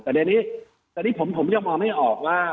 กรณีนี้ผมผมเข้ามองไม่ออกว่า